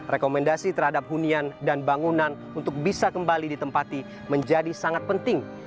rekomendasi terhadap hunian dan bangunan untuk bisa kembali ditempati menjadi sangat penting